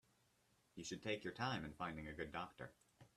You should take your time in finding a good doctor.